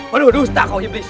aduh dusta kau iblis